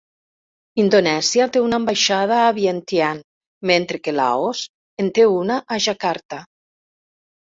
Indonèsia té una ambaixada a Vientiane, mentre que Laos en té una a Jakarta.